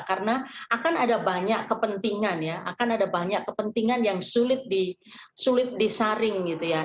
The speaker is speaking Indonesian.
karena akan ada banyak kepentingan ya akan ada banyak kepentingan yang sulit disaring gitu ya